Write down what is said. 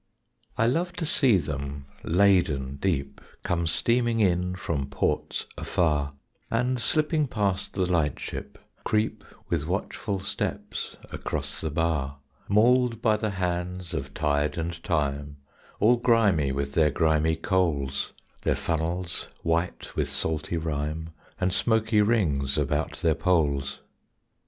I love to see them, laden deep, Come steaming in from ports afar, And, slipping past the light ship, creep With watchful steps across the bar, Mauled by the hands of tide and time, All grimy with their grimy coals, Their funnels white with salty rime, And smoky rings about their poles.